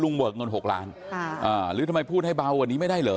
เบิกเงิน๖ล้านหรือทำไมพูดให้เบากว่านี้ไม่ได้เหรอ